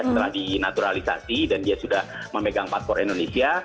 setelah dinaturalisasi dan dia sudah memegang paspor indonesia